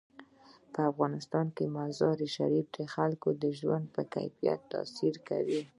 په افغانستان کې مزارشریف د خلکو د ژوند په کیفیت تاثیر کوي.